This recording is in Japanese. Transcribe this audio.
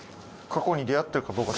過去に出会ってるかどうか？